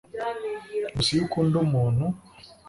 Gusa iyo ukunda umuntu